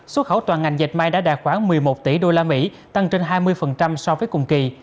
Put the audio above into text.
xuất khẩu toàn ngành dệt may đã đạt khoảng một mươi một tỷ usd tăng trên hai mươi so với cùng kỳ